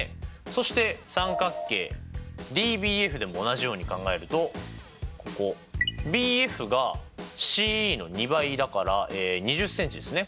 そして三角形ＤＢＦでも同じように考えるとＢＦがＣＥの２倍だから２０ｃｍですね。